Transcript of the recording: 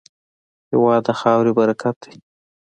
هېواد د خاورې برکت دی.